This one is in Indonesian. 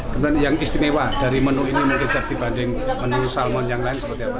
kemudian yang istimewa dari menu ini mungkin dibanding menu salmon yang lain seperti apa